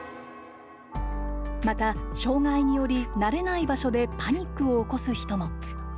また、障害により慣れない場所でパニックを起こす人も。